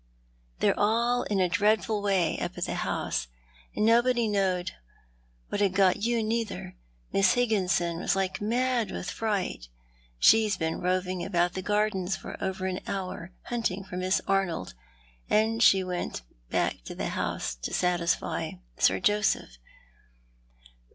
They're 1 1 o Thou art the Man. all in a dreadful way up at the house— and nobody Knowed what had got you, neither. Miss Higgirson was like mad with fright. Sbe's been roving about the gardens for over an hour, hunting for Miss Arnold, and she only went back to the house to satisfy Sir Joseph.